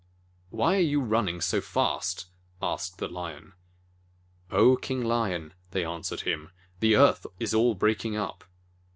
"Why are you running so fast ?" asked the Lion. "Oh, King Lion," they answered him, "the earth is all breaking up!"